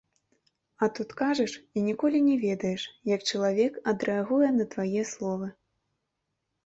А тут кажаш і ніколі не ведаеш, як чалавек адрэагуе на твае словы.